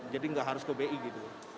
jadi nggak harus ke bi gitu loh